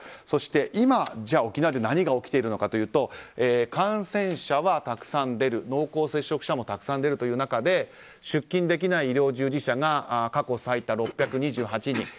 そして今、沖縄で何が起きているのかというと感染者はたくさん出る濃厚接触者もたくさん出るという中で出勤できない医療従事者が過去最多の６２８人。